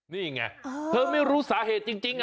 นี่ไงเธอไม่รู้สาเหตุจริง